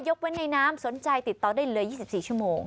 ไว้ในน้ำสนใจติดต่อได้เลย๒๔ชั่วโมง